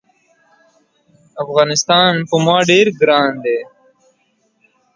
He is a real cow.